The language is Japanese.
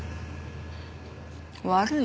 悪い？